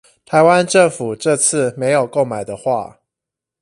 台灣政府這次沒有購買的話